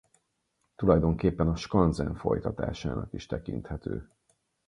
Tulajdonképpen a skanzen folytatásának is tekinthető.